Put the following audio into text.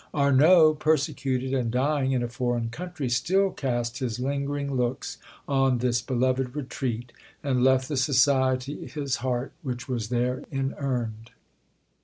Arnauld, persecuted, and dying in a foreign country, still cast his lingering looks on this beloved retreat, and left the society his heart, which was there inurned.